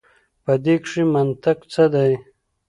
په دې کښي منطق څه دی.